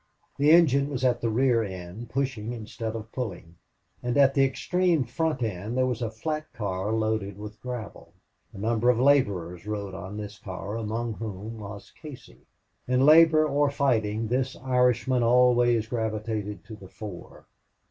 The engine was at the rear end, pushing instead of pulling; and at the extreme front end there was a flat car loaded with gravel. A number of laborers rode on this car, among whom was Casey. In labor or fighting this Irishman always gravitated to the fore.